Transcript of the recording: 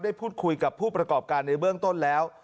พูดคุยกับผู้ประกอบการในเบื้องต้นแล้ว